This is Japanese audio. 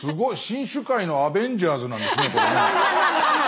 新種界のアベンジャーズなんですねこれね。